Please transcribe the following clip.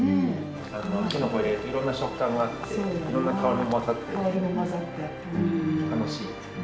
きのこを入れるといろんな食感があっていろんな香りも混ざって楽しいですよね。